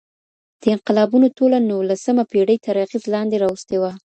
دې انقلابونو ټوله نولسمه پېړۍ تر اغېز لاندې راوستې وه.